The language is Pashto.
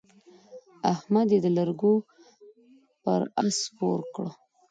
احمد يې د لرګو پر اس سپور کړ.